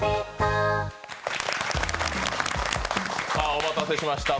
お待たせしました。